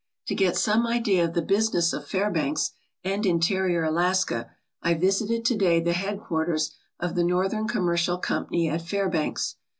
To get some idea of the business of Fairbanks and interior Alaska, I visited to day the headquarters of the Northern Commercial Company at Fairbanks.